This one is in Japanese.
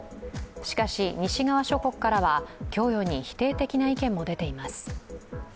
しかし西側諸国からは供与に否定的な意見も出ています。